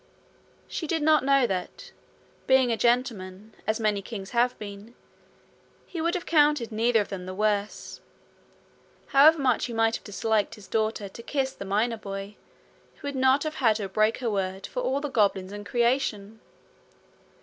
She did not know that, being a gentleman, as many kings have been, he would have counted neither of them the worse. However much he might have disliked his daughter to kiss the miner boy, he would not have had her break her word for all the goblins in creation.